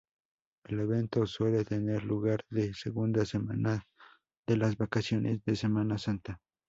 El evento suele tener lugar la segunda semana de las vacaciones de Semana Santa.